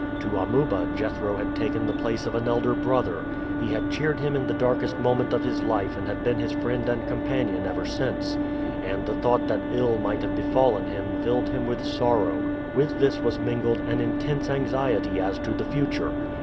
To Amuba Jethro had taken the place of an elder brother. He had cheered him in the darkest moment of his life and had been his friend and companion ever since, and the thought that ill might have befallen him filled him with sorrow. With this was mingled an intense anxiety as to the future.